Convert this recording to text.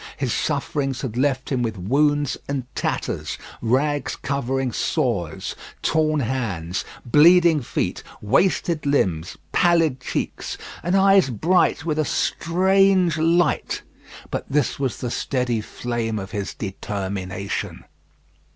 His sufferings had left him with wounds and tatters, rags covering sores, torn hands, bleeding feet, wasted limbs, pallid cheeks, and eyes bright with a strange light; but this was the steady flame of his determination.